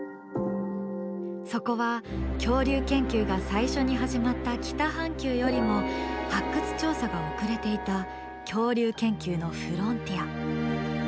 そこは恐竜研究が最初に始まった北半球よりも発掘調査が遅れていた恐竜研究のフロンティア。